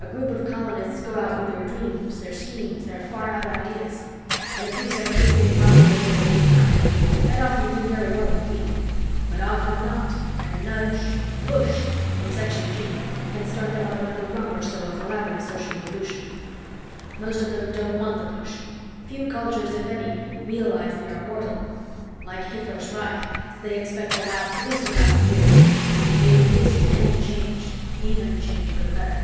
A group of colonists go out with their dreams, their schemes, their far out ideas. In a few centuries they've populated their new planet, and often do very well indeed. But often not and a nudge, a push, from Section G can start them up another rung or so of the ladder of social evolution. Most of them don't want the push. Few cultures, if any, realize they are mortal; like Hitler's Reich, they expect to last at least a thousand years. They resist any change—even change for the better."